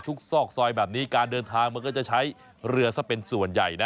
ซอกซอยแบบนี้การเดินทางมันก็จะใช้เรือซะเป็นส่วนใหญ่นะ